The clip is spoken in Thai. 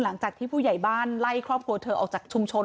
หลังจากที่ผู้ใหญ่บ้านไล่ครอบครัวเธอออกจากชุมชน